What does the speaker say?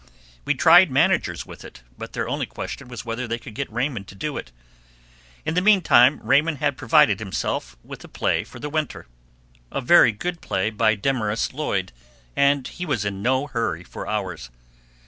We tried managers with it, but their only question was whether they could get Raymond to do it. In the mean time Raymond had provided himself with a play for the winter a very good play, by Demarest Lloyd; and he was in no hurry for ours.